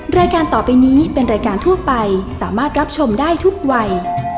รายการต่อไปนี้เป็นรายการทั่วไปสามารถรับชมได้ทุกวัย